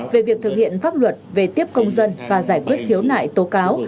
về việc thực hiện pháp luật về tiếp công dân và giải quyết khiếu nại tố cáo